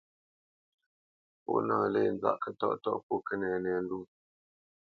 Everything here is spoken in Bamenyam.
Pó nâ lě nzâʼ kətɔʼtɔ́ʼ pô kənɛnɛndwó.